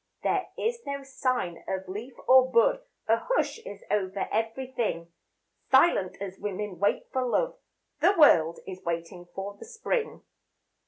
There is no sign of leaf or bud, A hush is over everything Silent as women wait for love, The world is waiting for the spring.